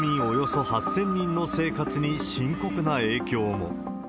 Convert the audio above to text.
およそ８０００人の生活に深刻な影響も。